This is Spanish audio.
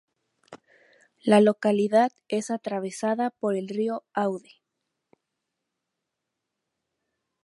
La localidad es atravesada por el río Aude.